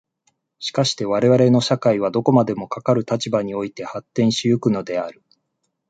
しかして我々の社会はどこまでもかかる立場において発展し行くのである。